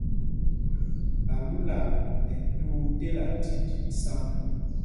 Alúla ɛ́ tuu tela fí jǐn sǎŋg.